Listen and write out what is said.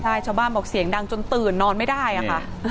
ใช่ชาวบ้านบอกเสียงดังจนตื่นนอนไม่ได้อะค่ะ